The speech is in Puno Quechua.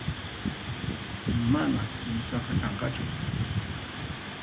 Manas misaqa kanqachu